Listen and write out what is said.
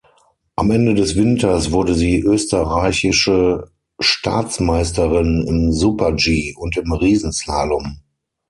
Am Ende des Winters wurde sie Österreichische Staatsmeisterin im Super-G und im Riesenslalom.